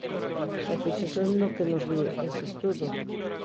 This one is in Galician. E fíxese no que nos di ese estudo.